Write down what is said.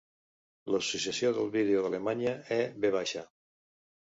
L'Associació del Vídeo d'Alemanya e.V.